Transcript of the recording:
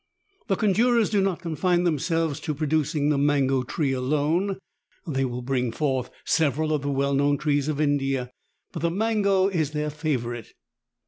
The conjurers do not confine themselves to pro ducing the mango tree alone ; they will bring forth several of the well known trees of India, but the mango is their favorite.